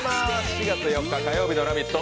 ４月４日火曜日の「ラヴィット！」。